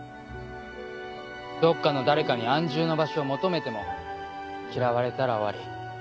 どっかの誰かに安住の場所を求めても嫌われたら終わり。